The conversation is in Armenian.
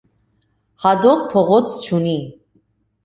Հատող փողոց չունի։